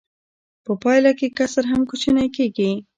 په پایله کې کسر هم کوچنی کېږي